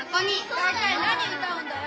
大体何歌うんだよ？